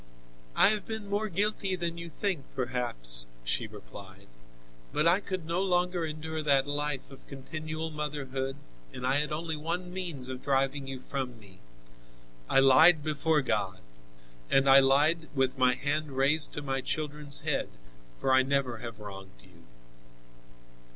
"I have been more guilty than you think perhaps," she replied, "but I could no longer endure that life of continual motherhood, and I had only one means of driving you from me. I lied before God and I lied, with my hand raised to my children's head, for I never have wronged you."